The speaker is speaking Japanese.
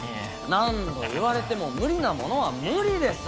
何ど言われてもむ理なものはむ理です。